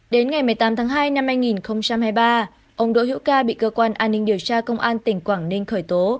đến ngày một mươi tám tháng hai năm hai nghìn hai mươi ba ông đỗ hữu ca bị cơ quan an ninh điều tra công an tỉnh quảng ninh khởi tố